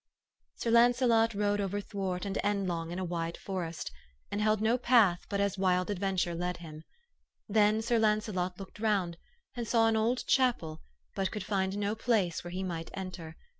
" Sir Launcelot rode overthwart and endlong in a wide forest, and held no path but as wild adventure led him. Then Sir Launcelot looked round, and THE STORY OF AVIS. 457 saw an old chapel, but could find no place where he might enter.